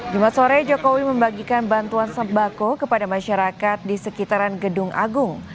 jumat sore jokowi membagikan bantuan sembako kepada masyarakat di sekitaran gedung agung